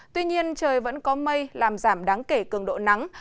tuy nhiên trời vẫn có mây làm giảm đáng kể cường độ nắng